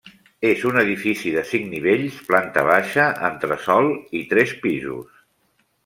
És un edifici de cinc nivells: planta baixa, entresòl i tres pisos.